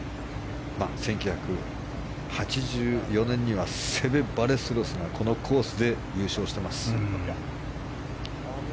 １９８４年にはセベ・バレステロスがこのコースで優勝しています。